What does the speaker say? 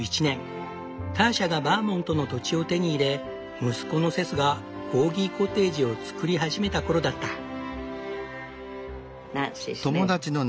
ターシャがバーモントの土地を手に入れ息子のセスがコーギコテージを造り始めたころだった。